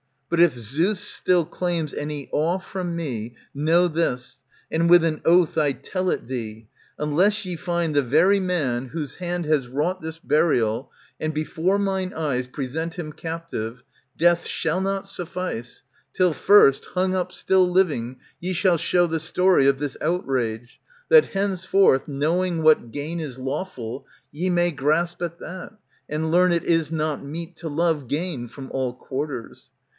But if Zeus still claims any awe from me, Know this, and with an oath I tell it thee, Unless ye find the very man whose hand 15' ANTIGONE Has wrought this burial, and before mine eyes Present him captive, death shall not suffice, Till first, hung up still living, ye shall show The story of this outrage, that henceforth. Knowing what gain is lawful, ye may grasp •'* At that, and learn it is not meet to love Gain from all quarters.